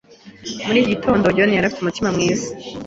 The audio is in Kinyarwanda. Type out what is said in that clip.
Kuva muri iki gitondo, John yari afite umutima mwiza.